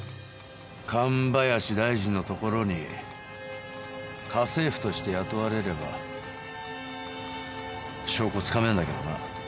神林大臣のところに家政婦として雇われれば証拠をつかめるんだけどな。